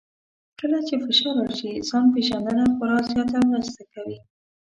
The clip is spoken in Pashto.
کله چې فشار راشي، ځان پېژندنه خورا زیاته مرسته کوي.